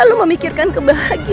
jumat kita udah jadi